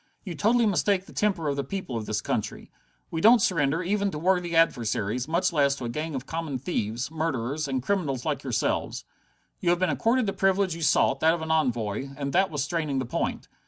"You totally mistake the temper of the people of this country. We don't surrender, even to worthy adversaries, much less to a gang of common thieves, murderers, and criminals like yourselves. You have been accorded the privilege you sought, that of an envoy, and that was straining the point.